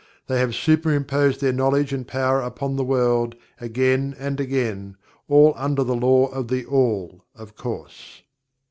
They have superimposed their knowledge and power upon the world, again and again, all under the Law of THE ALL, of course.